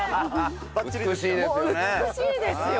美しいですよね。